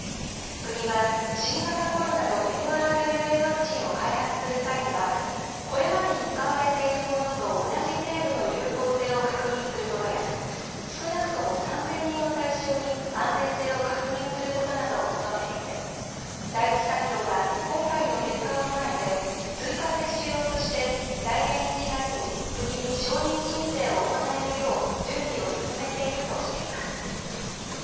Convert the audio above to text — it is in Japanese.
国は新型コロナのｍＲＮＡワクチンを開発する際にはこれまでに使われているものと同じ程度の有効性を確認することや少なくとも３０００人を対象に安全性を確認することなどを求めていて第一三共は今回の結果を踏まえて追加接種用として来年１月に国に承認申請を行えるよう準備を進めているとしています。